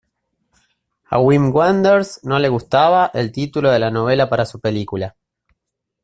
A Wim Wenders no le gustaba el título de la novela para su película.